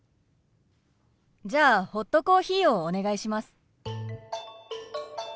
じゃあホットコーヒーをお願いします。